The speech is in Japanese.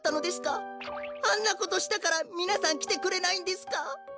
あんなことしたからみなさんきてくれないんですか？